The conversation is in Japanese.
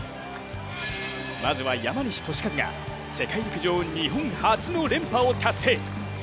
まずは、山西利和が世界陸上日本初の連覇を達成。